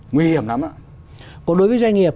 nguy hiểm lắm ạ còn đối với doanh nghiệp